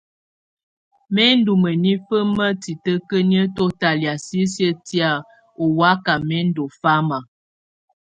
Mɛ̀ ndù mǝnifǝ ma titǝkǝniǝtɔ talɛ̀á sisiǝ́ tɛ̀á ɔ waka mɛ ndù fama.